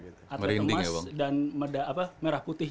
atlet emas dan merah putih